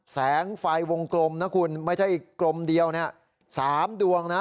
แสงไฟวงกลมนะคุณไม่ใช่กลมเดียวเนี่ย๓ดวงนะ